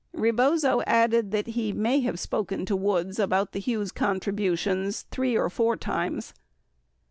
59 Rebozo added that he may have spoken to Woods about the Hughes contributions "three or four times."